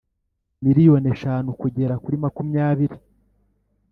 miliyoni eshanu kugera kuri makumyabiri